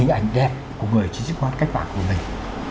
hình ảnh đẹp của người chính sức khỏe cách mạng của mình